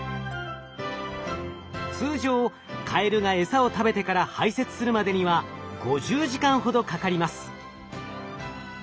通常カエルが餌を食べてから排泄するまでには５０時間ほどかかります。